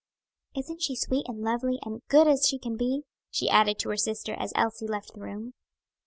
Isn't she sweet and lovely, and good as she can be?" she added to her sister as Elsie left the room.